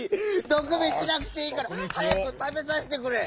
どくみしなくていいからはやくたべさせてくれ！